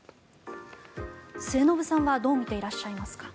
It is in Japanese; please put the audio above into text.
末延さんはどう見ていらっしゃいますか？